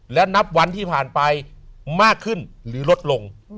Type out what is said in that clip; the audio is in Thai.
และนับวันที่ผ่านไปมากขึ้นหรือลดลง